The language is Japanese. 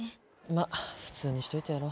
まっ普通にしといてやろ。